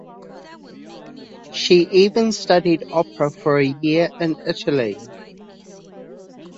She even studied opera for a year in Italy.